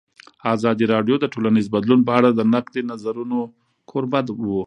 ازادي راډیو د ټولنیز بدلون په اړه د نقدي نظرونو کوربه وه.